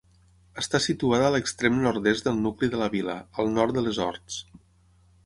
Està situada a l'extrem nord-est del nucli de la vila, al nord de les Horts.